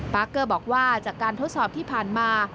เกอร์บอกว่าจากการทดสอบที่ผ่านมา